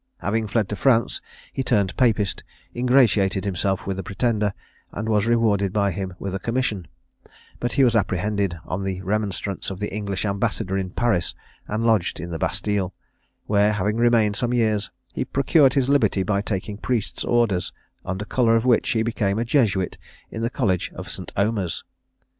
Having fled to France, he turned papist, ingratiated himself with the Pretender, and was rewarded by him with a commission; but he was apprehended on the remonstrance of the English ambassador in Paris, and lodged in the Bastile, where having remained some years, he procured his liberty by taking priest's orders, under colour of which he became a Jesuit in the college of St. Omer's.